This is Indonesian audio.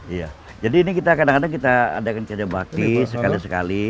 iya jadi ini kita kadang kadang kita adakan kerja bakti sekali sekali